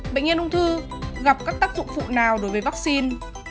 bệnh nhân ung thư gặp các tác dụng phụ nào đối với vắc xin